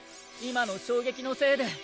今の衝撃のせいで。